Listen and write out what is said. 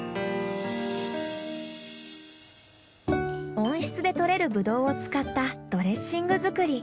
温室で採れるブドウを使ったドレッシング作り。